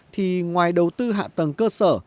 thì ngoài đầu tư hạ tầng cơ sở